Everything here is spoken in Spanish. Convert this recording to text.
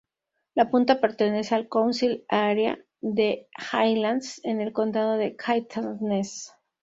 La punta pertenece al "council area" de Highlands, en el condado de Caithness.